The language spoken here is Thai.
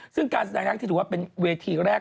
ซึ่งการแสดงนักที่ถือว่าเป็นเวทีแรก